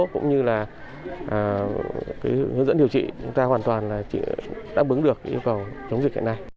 cũng như là hướng dẫn điều trị chúng ta hoàn toàn đang bứng được yêu cầu chống dịch hiện nay